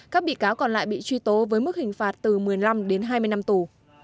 các bị cáo còn lại bị truy tố với mức hình phạt từ một mươi năm đến hai mươi năm tù